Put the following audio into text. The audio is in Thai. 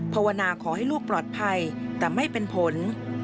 ภาวนาขอให้ลูกปลอดภัยแต่ไม่เป็นผล